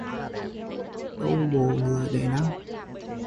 Đâu bộ ngựa để nằm